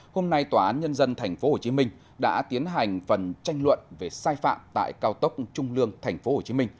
hôm nay tòa án nhân dân tp hcm đã tiến hành phần tranh luận về sai phạm tại cao tốc trung lương tp hcm